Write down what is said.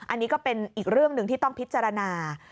อันนี้ก็เป็นอีกเรื่องหนึ่งที่ต้องพิจารณา